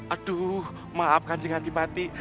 aduh maafkan sih hati hati